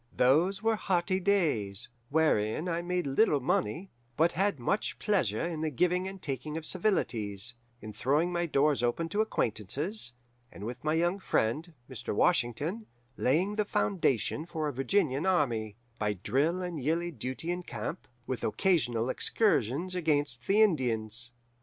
"Those were hearty days, wherein I made little money, but had much pleasure in the giving and taking of civilities, in throwing my doors open to acquaintances, and with my young friend, Mr. Washington, laying the foundation for a Virginian army, by drill and yearly duty in camp, with occasional excursions against the Indians.